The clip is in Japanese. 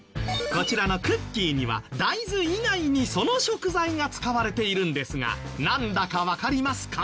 こちらのクッキーには大豆以外にその食材が使われているんですがなんだかわかりますか？